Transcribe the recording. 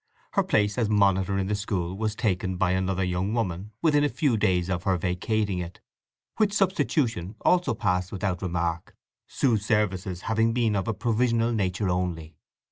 Her place as monitor in the school was taken by another young woman within a few days of her vacating it, which substitution also passed without remark, Sue's services having been of a provisional nature only.